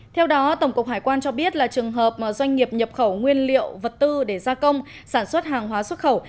theo đó tổng cục hải quan cho biết là trường hợp doanh nghiệp nhập khẩu nguyên liệu vật tư để gia công sản xuất hàng hóa xuất khẩu